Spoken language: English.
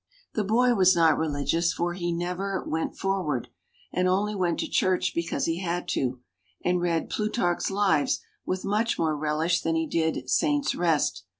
The boy was not religious, for he never "went forward," and only went to church because he had to, and read "Plutarch's Lives" with much more relish than he did "Saints' Rest."